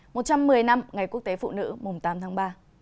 một trăm một mươi năm ngày quốc tế phụ nữ mùng tám tháng ba